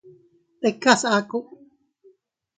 Tikas aku.